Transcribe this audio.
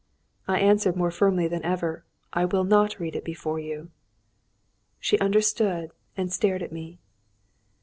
I answered more firmly than ever: "I will not read it before you." She understood and stared at me.